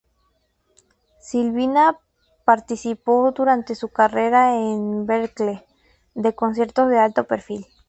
Silvina participó, durante su carrera en Berklee, de conciertos de alto perfil.